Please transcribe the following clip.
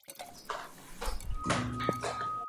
"Forsellesia" is now in the Crossosomatales.